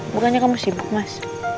bukannya kamu sibuk mas